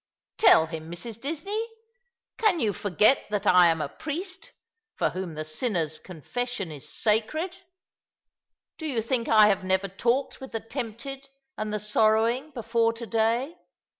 ''Tell him, Mrs. Disney! Can you forget that I am a priest — for whom the sinner's confession is sacred ? Do you think I have never talked with the tempted 'and the sorrow ing before to day